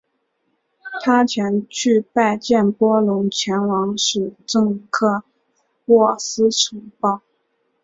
他前去拜见波隆前往史铎克渥斯城堡。